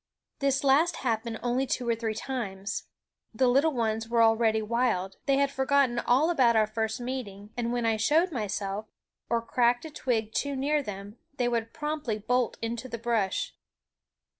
This last happened only two or three times. The little ones were already wild; they had forgotten all about our first meeting, and when I showed myself, or cracked a twig too near them, they would promptly bolt into the brush.